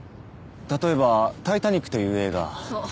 例えばタイタニックという映そう